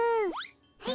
はい。